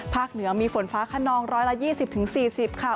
ภาคเหนือมีฝนฟ้าข่านองร้อยละ๒๐๔๐